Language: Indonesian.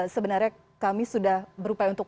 sebenarnya kami sudah berupaya untuk